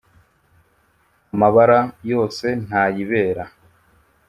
amabara yose ntayibera